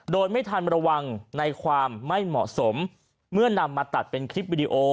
โดยไม่ทันระวังในความไม่เหมาะสมเมื่อนำมาตัดเป็นคลิปวิดีโอ